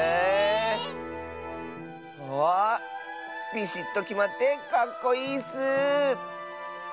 ビシッときまってかっこいいッス！